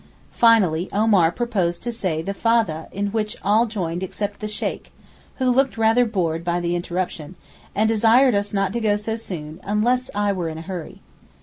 Finally Omar proposed to say the Fathah in which all joined except the Sheykh, who looked rather bored by the interruption, and desired us not to go so soon, unless I were in a hurry.